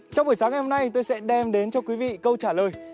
trong buổi sáng ngày hôm nay tôi sẽ đem đến cho quý vị câu trả lời